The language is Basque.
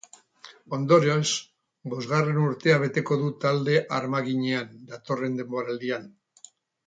Ondorioz, bosgarren urtea beteko du talde armaginean, datorren denboraldian.